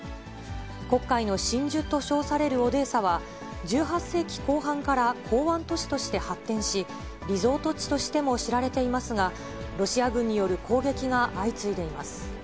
黒海の真珠と称されるオデーサは、１８世紀後半から港湾都市として発展し、リゾート地としても知られていますが、ロシア軍による攻撃が相次いでいます。